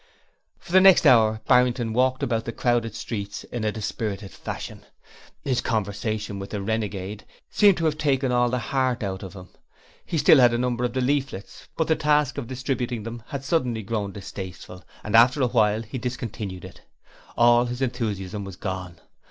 For the next hour Barrington walked about the crowded streets in a dispirited fashion. His conversation with the renegade seemed to have taken all the heart out of him. He still had a number of the leaflets, but the task of distributing them had suddenly grown distasteful and after a while he discontinued it. All his enthusiasm was gone.